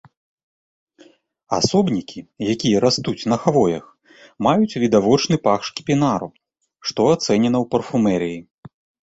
Асобнікі, якія растуць на хвоях, маюць відавочны пах шкіпінару, што ацэнена ў парфумерыі.